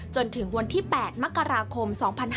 จนถึงวันที่๘มกราคม๒๕๕๙